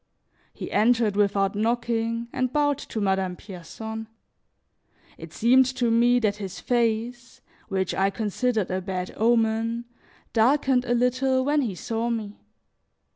He entered without knocking, and bowed to Madame Pierson; it seemed to me that his face, which I considered a bad omen, darkened a little when he saw me.